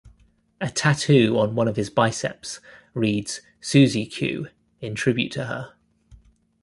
A tattoo on one of his biceps reads "Suzie Q" in tribute to her.